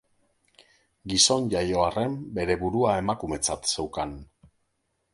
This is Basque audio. Gizon jaio arren, bere burua emakumetzat zeukan.